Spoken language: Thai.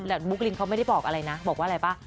แต่บุ๊กลินเขาไม่ได้บอกอะไรนะบอกว่าอะไรป่ะ